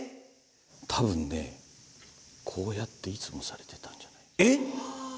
たぶんねこうやっていつもされてたんじゃ。